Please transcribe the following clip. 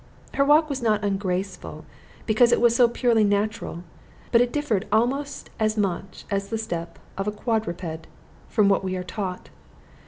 Her walk was not ungraceful, because it was so purely natural; but it differed almost as much as the step of a quadruped from what we are taught.